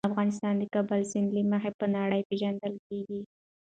افغانستان د کابل سیند له مخې په نړۍ پېژندل کېږي.